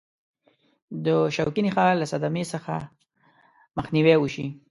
د شوکي نخاع له صدمې څخه مخنیوي وشي.